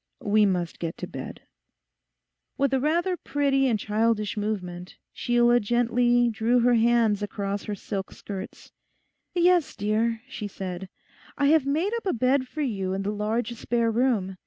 'We must get to bed.' With a rather pretty and childish movement, Sheila gently drew her hands across her silk skirts. 'Yes, dear,' she said, 'I have made up a bed for you in the large spare room.